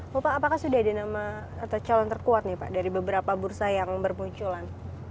bapak apakah sudah ada nama atau calon terkuat dari beberapa bursa yang berpunculan